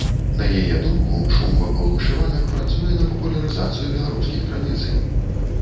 На яе думку, шум вакол вышыванак працуе на папулярызацыю беларускіх традыцый.